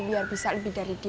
biar bisa lebih dari dia gitu